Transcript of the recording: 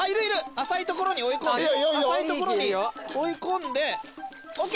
浅い所に追い込んで浅い所に追い込んでＯＫ